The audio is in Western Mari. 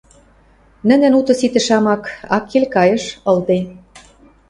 Нӹнӹн уты-ситӹ шамак, акел кайыш ылде.